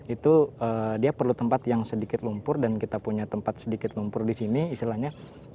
itu dia perlu tempat yang sedikit lumpur dan kita punya tempat sedikit lumpur di sini istilahnya